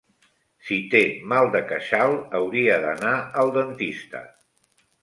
Si té mal de queixal hauria d'anar al dentista.